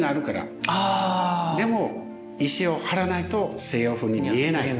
でも石を貼らないと西洋風に見えない。